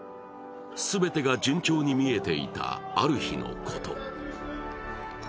全てが順調に見えていた、ある日のこと。